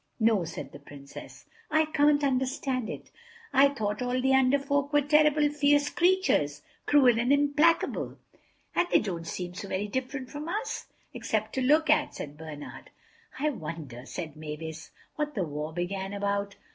"No," said the Princess, "I can't understand it. I thought all the Under Folk were terrible fierce creatures, cruel and implacable." "And they don't seem so very different from us—except to look at," said Bernard. "I wonder," said Mavis, "what the war began about?"